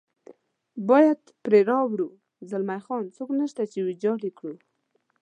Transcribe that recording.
باید پرې واوړو، زلمی خان: څوک نشته چې ویجاړ یې کړي.